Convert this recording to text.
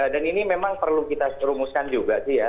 dan ini memang perlu kita rumuskan juga sih ya